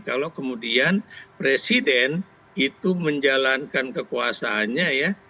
kalau kemudian presiden itu menjalankan kekuasaannya ya